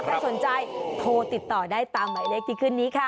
ถ้าสนใจโทรติดต่อได้ตามหมายเลขที่ขึ้นนี้ค่ะ